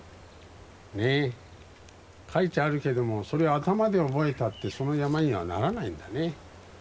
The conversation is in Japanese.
ねえ書いてあるけどもそれを頭で覚えたってその山にはならないんだね。